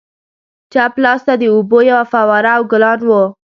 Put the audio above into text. چپ لاسته د اوبو یوه فواره او ګلان وو.